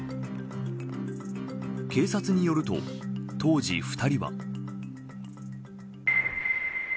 警察によると当時２人は。